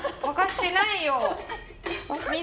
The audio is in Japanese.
沸かしてないよ。